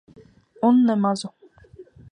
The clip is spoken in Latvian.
Un ne mazu.